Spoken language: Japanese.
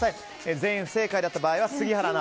全員不正解の場合は杉原アナ